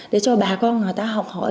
để cho bà con họ học hỏi